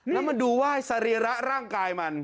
แล้วมันดูไหว้สรีระร่างกายมัน